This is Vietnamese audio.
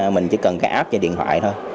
mình chỉ cần cái app và điện thoại thôi